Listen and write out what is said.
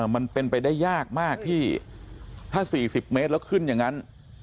มันเป็นไปได้ยากมากที่ถ้า๔๐เมตรแล้วขึ้นอย่างนั้น